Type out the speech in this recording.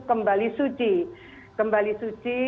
kembali suci kembali suci